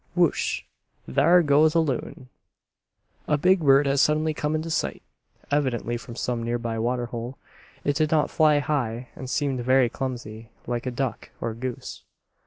Whush! Thar goes a loon!" A big bird had suddenly come into sight, evidently from some nearby water hole. It did not fly high and seemed very clumsy, like a duck or goose.